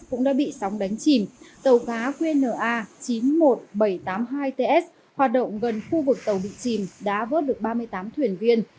cũng đã bị sóng đánh chìm tàu cá qnna chín mươi một nghìn bảy trăm tám mươi hai ts hoạt động gần khu vực tàu bị chìm đã vớt được ba mươi tám thuyền viên